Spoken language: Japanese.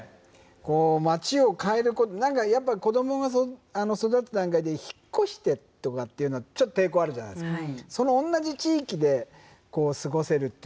こう街を変える何かやっぱ子どもが育った段階で引っ越してとかっていうのはちょっと抵抗あるじゃないですか。